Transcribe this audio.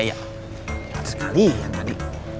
tidak ada sekali yang tadi